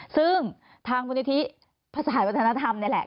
ซึ่งทางบุญทธิภาษาธนธรรมนี่แหละ